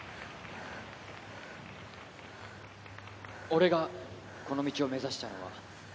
俺がこの道を目指したのは